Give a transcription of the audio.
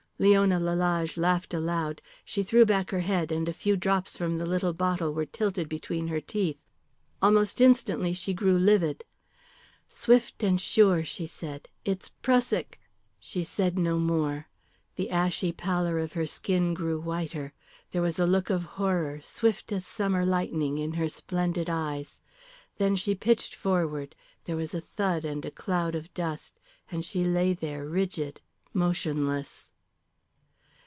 Leona Lalage laughed aloud. She threw back her head, and a few drops from the little bottle were tilted between her teeth. Almost instantly she grew livid. "Swift and sure," she said, "it's prussic " She said no more. The ashy pallor of her skin grew whiter, there was a look of horror, swift as summer lightning, in her splendid eyes. Then she pitched forward, there was a thud and a cloud of dust, and she lay there rigid, motionless.